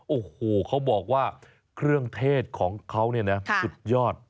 โอ้โฮเขาบอกว่าเครื่องเทศของเขาสุดยอด